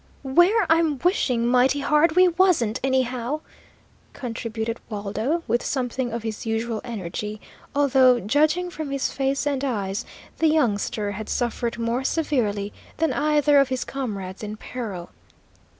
"Where I'm wishing mighty hard we wasn't, anyhow!" contributed Waldo, with something of his usual energy, although, judging from his face and eyes, the youngster had suffered more severely than either of his comrades in peril.